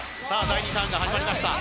第２ターンが始まりました